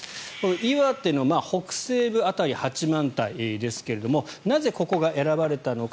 岩手の北西部辺り、八幡平ですがなぜ、ここが選ばれたのか。